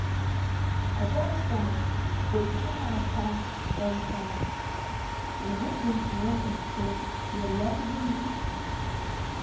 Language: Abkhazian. Аҵара ҵа, уаҩха, ҳара хьаас ҳҟаумҵан, угәы рҭынчны уҟаз зҳәоз иара иакәӡамзи?